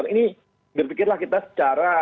ini berpikirlah kita secara